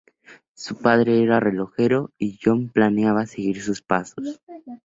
Su padre era un relojero y Jon planeaba seguir sus pasos.